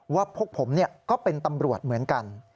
พวกผมก็เป็นตำรวจเหมือนกัน